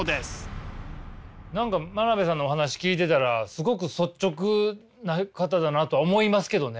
何か真鍋さんのお話聞いてたらすごく率直な方だなとは思いますけどね。